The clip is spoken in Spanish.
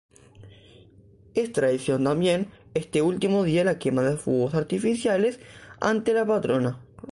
Es tradición tambien este ultimo dia la quema de fuegos artificiales ante la patrona.